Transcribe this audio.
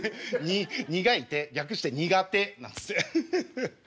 苦い手略して苦手なんつって。